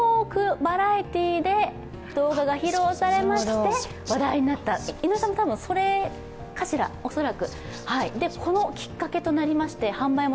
バラエティで動画が披露されまして話題になった、井上さんもそれかしら、恐らく。